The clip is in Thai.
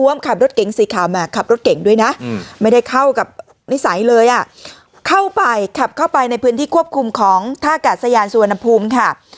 ขับรถเก๋งสีขาวมาขับรถเก่งด้วยนะไม่ได้เข้ากับนิสัยเลยอ่ะเข้าไปขับเข้าไปในพื้นที่ควบคุมของท่ากาศยานสุวรรณภูมิค่ะ